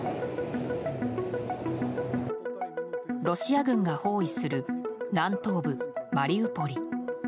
ロシア軍が包囲する南東部マリウポリ。